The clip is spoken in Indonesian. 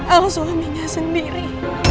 al suaminya sendiri